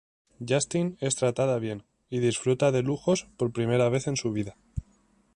Justine es tratada bien y disfruta de lujos por primera vez en su vida.